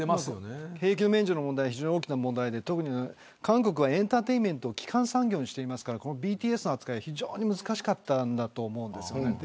兵役免除は非常に大きな問題で韓国はエンターテインメントを基幹産業にしていますからＢＴＳの扱いは非常に難しかったんだと思います。